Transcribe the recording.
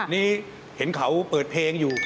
นี่เห็นเขาเปิดเพลงอยู่